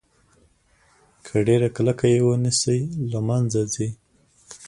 که ډیره کلکه یې ونیسئ له منځه ځي.